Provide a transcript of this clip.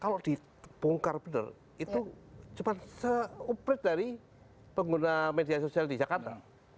kalau di pungkar bener itu cuman seuprit dari pengguna media sosial di jakarta